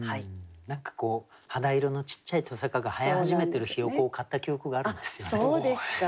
何か肌色のちっちゃい鶏冠が生え始めてるひよこを買った記憶があるんですよね。